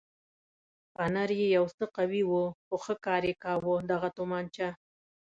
فنر یې یو څه قوي و خو ښه کار یې کاوه، دغه تومانچه.